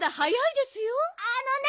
あのね